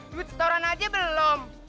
duit setoran aja belum